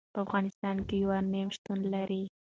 په افغانستان کې یورانیم شتون لري.